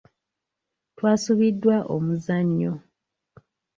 Twasubiddwa omuzannyo.